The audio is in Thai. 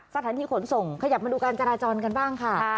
สถานีขนส่งขยับมาดูการจราจรกันบ้างค่ะ